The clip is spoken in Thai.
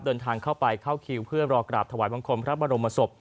เดินทางเข้าไปเข้าคิวเพื่อรอกราบถวายบังคมพระบรมศพ